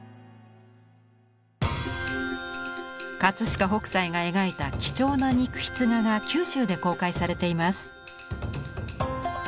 飾北斎が描いた貴重な肉筆画が九州で公開されています。